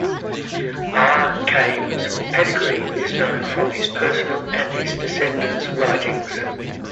R. Khaim's pedigree is known from his personal and his descendants' writings.